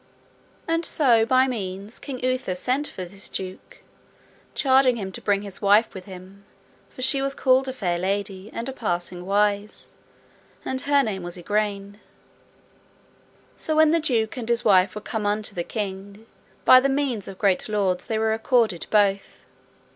And so by means King Uther sent for this duke, charging him to bring his wife with him, for she was called a fair lady, and a passing wise, and her name was called Igraine. So when the duke and his wife were come unto the king, by the means of great lords they were accorded both.